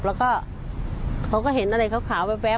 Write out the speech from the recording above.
แล้วเห็นอะไรขาว